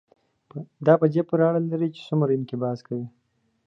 دا په دې پورې اړه لري چې څومره انقباض کوي.